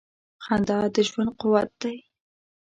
• خندا د ژوند قوت دی.